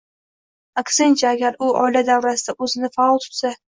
Aksincha, agar u oila davrasida o‘zini faol tutsa